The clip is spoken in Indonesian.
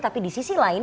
tapi di sisi lain